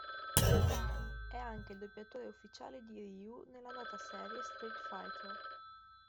È anche il doppiatore ufficiale di Ryu della nota serie "Street Fighter".